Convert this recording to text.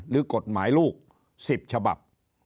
หรือกฎหมายลูก๑๐ฉบับ